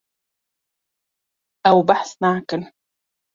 Ew behs nakin.